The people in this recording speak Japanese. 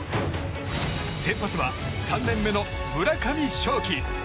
先発は３年目の村上頌樹。